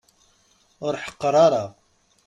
Ur ḥeqqer ara.